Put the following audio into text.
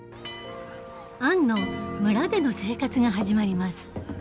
アンの村での生活が始まります。